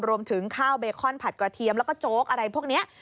รวมถึงข้าวเบคอนผัดกระเทียมแล้วก็โจ๊กอะไรพวกนี้